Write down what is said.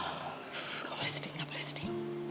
nggak boleh sedih nggak boleh sedih